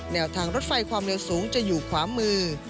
แนวทางรถไฟความเร็วสูงจะอยู่ขวามือ